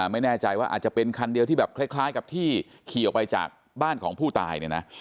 ไม่แน่ใจว่าอาจจะเป็นคันเดียวที่แบบคล้ายกับที่ขี่ออกไปจากบ้านของผู้ตายเนี่ยนะ